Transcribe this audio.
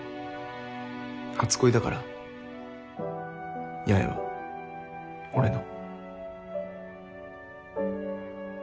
初恋だから八重は俺の。